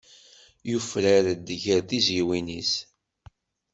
Yufrar-d ger tizzyiwin-is.